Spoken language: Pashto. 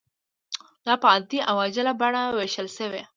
دا په عادي او عاجله بڼه ویشل شوې.